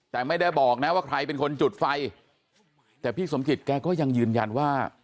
แต่ไม่ได้บอกนะว่าใครเป็นคนจุดไฟแต่พี่สมจิตแกก็ยังยืนยันว่า